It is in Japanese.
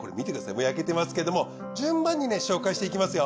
もう焼けてますけれども順番に紹介していきますよ。